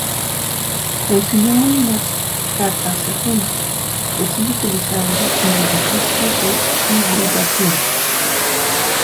El sinónimo "Catasetum" se sigue utilizando en los registros de hibridación.